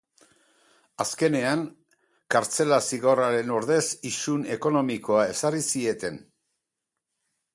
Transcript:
Azkenean kartzela zigorraren ordez isun ekonomikoa ezarri zieten.